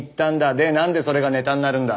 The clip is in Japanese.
でなんでそれがネタになるんだ？